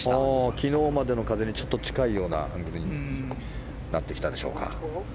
昨日までの風にちょっと近いような風になってきたでしょうか。